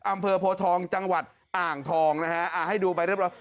อำเภอโพทองจังหวัดอ่างทองนะฮะอ่าให้ดูไปเรียบร้อย